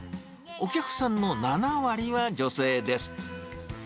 お客さんの７割は女性です。